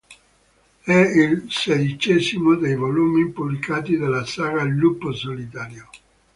È il sedicesimo dei volumi pubblicati della saga Lupo Solitario.